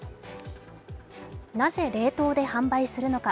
なぜ冷凍で販売するのか。